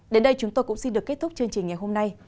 đến đây chúng tôi cũng xin được kết thúc chương trình ngày hôm nay